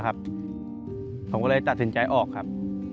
ผมก็เลยตัดสินใจออกครับ